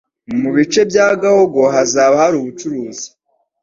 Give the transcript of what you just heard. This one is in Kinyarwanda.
mu bice bya Gahogo hazaba hari ubucuruzi